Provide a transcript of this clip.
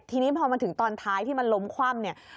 ทีนี้พอมาถึงตอนท้ายที่มันล้มคว่ำเนี่ย